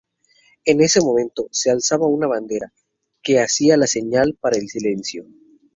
En ese momento, se alzaba una bandera, que hacía la señal para el silencio.